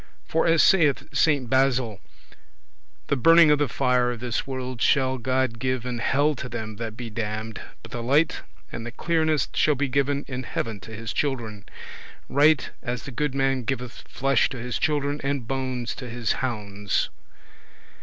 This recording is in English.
For as saith Saint Basil, "The burning of the fire of this world shall God give in hell to them that be damned, but the light and the clearness shall be given in heaven to his children; right as the good man giveth flesh to his children, and bones to his hounds."